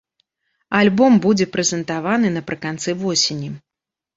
Альбом будзе прэзентаваны напрыканцы восені.